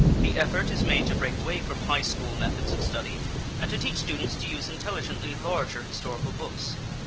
The effort is made to break away from high school methods of study and to teach students to use intelligently larger historical books.